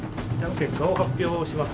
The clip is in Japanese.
結果を発表します。